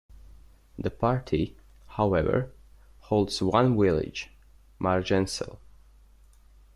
The party, however, holds one village, Margencel.